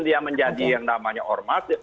dia menjadi yang namanya ormas